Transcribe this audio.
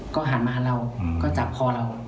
ก็หันมาเราก็จับคอเรา